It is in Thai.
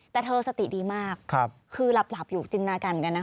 แต่เธอสติดีมากคือหลับอยู่จินกันกันนะ